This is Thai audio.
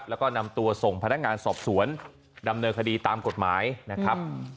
แล้วก็นำตัวส่งพนักงานสอบสวนดำเนินคดีตามกฎหมายนะครับ